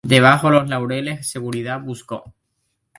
debajo los laureles seguridad buscó.